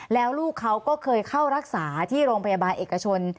แล้วลูกเขาก็เคยเข้ารักษาที่โรงพยาบาลเอกชน